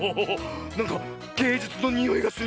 なんかげいじゅつのにおいがするよ！